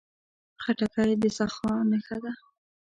خټکی د سخا نښه ده.